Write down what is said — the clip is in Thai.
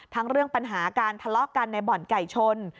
เรื่องปัญหาการทะเลาะกันในบ่อนไก่ชน